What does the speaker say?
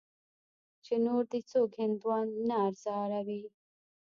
چې نور دې څوک هندوان نه ازاروي.